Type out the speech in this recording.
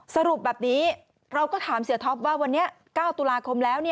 สรุปแบบนี้เราก็ถามเสียท็อปว่าวันนี้๙ตุลาคมแล้ว